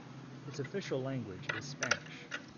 Its official language is Spanish.